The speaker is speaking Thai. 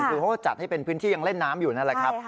คือเขาก็จัดให้เป็นพื้นที่ยังเล่นน้ำอยู่นั่นแหละครับ